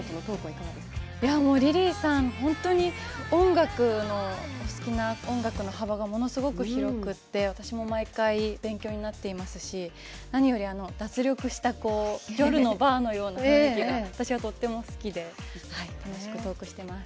リリーさん、本当にお好きな音楽の幅がものすごく広くて私も毎回、勉強になってますし何より脱力した夜のバーのような雰囲気が私はとっても好きで楽しくトークしています。